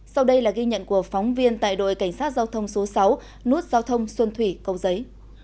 sau đây là ghi nhận của phóng viên tại đội cảnh sát giao thông số sáu nút giao thông xuân thủy cầu giấy